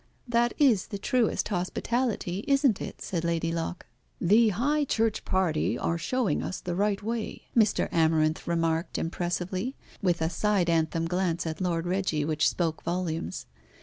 "That is the truest hospitality, isn't it," said Lady Locke. "The high church party are showing us the right way," Mr. Amarinth remarked impressively, with a side anthem glance at Lord Reggie which spoke volumes.